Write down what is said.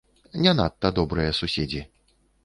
Не надта добрыя суседзі.